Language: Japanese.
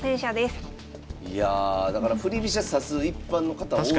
いやだから振り飛車指す一般の方多いですけどね。